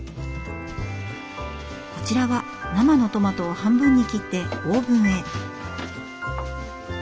こちらは生のトマトを半分に切ってオーブンへ。